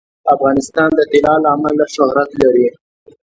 افغانستان د طلا له امله شهرت لري.